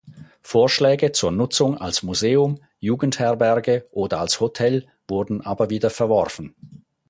Vorschläge zur Nutzung als Museum, Jugendherberge oder als Hotel wurden aber wieder verworfen.